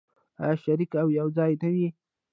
آیا شریک او یوځای نه وي؟